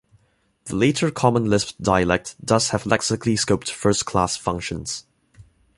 The later Common Lisp dialect does have lexically scoped first-class functions.